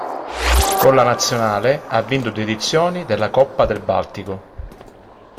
Con la nazionale ha vinto due edizioni della Coppa del Baltico.